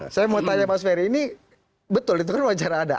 saya mau tanya mas ferry ini betul itu kan wawancara ada